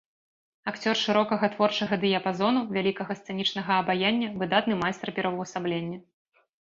Акцёр шырокага творчага дыяпазону, вялікага сцэнічнага абаяння, выдатны майстар пераўвасаблення.